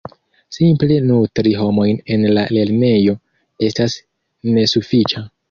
Simple nutri homojn en la lernejo estas nesufiĉa.